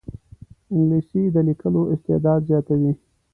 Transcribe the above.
انګلیسي د لیکلو استعداد زیاتوي